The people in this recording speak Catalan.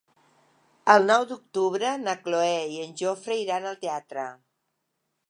El nou d'octubre na Cloè i en Jofre iran al teatre.